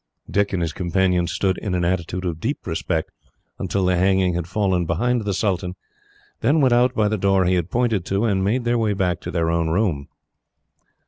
Dick and his companion stood in an attitude of deep respect, until the hanging had fallen behind the sultan, and then went out by the door he had pointed to, and made their way back to their own room.